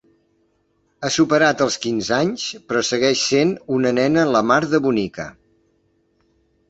Ha superat els quinze anys, però segueix sent una nena la mar de bonica.